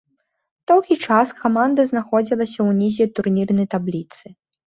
Доўгі час каманда знаходзілася ўнізе турнірнай табліцы.